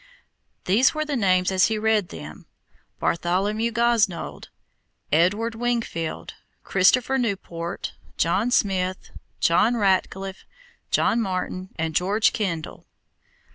These are the names as he read them: Bartholomew Gosnold, Edward Wingfield, Christopher Newport, John Smith, John Ratcliffe, John Martin and George Kendall.